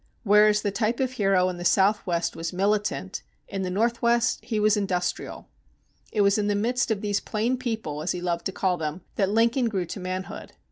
Whereas the type of hero in the Southwest was militant, in the Northwest he was industrial. It was in the midst of these "plain people," as he loved to call them, that Lincoln grew to manhood.